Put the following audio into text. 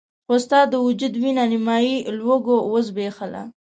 خو ستا د وجود وينه نيمایي لوږو وزبېښله.